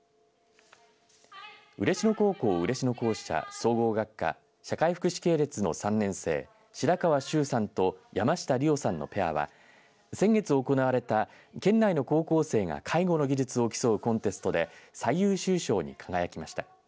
嬉野高校嬉野校舎総合学科社会福祉系列の３年生白川愁さんと山下莉央さんのペアは先月行われた県内の高校生が介護の技術を競うコンテストで最優秀賞に輝きました。